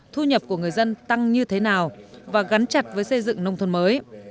thu nhập của người dân tăng như thế nào và gắn chặt với xây dựng nông thôn mới